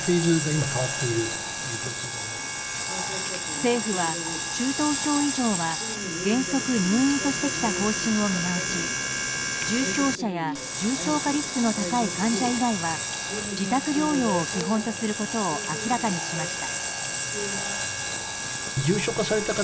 政府は中等症以上は原則入院としてきた方針を見直し重症者や重症化リスクの高い患者以外は自宅療養を基本とすることを明らかにしました。